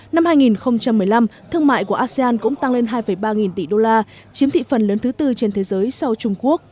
năm hai nghìn một mươi năm thương mại của asean cũng tăng lên hai ba nghìn tỷ đô la chiếm thị phần lớn thứ tư trên thế giới sau trung quốc